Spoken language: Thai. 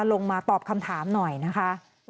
ลงมาตอบคำถามหน่อยนะคะ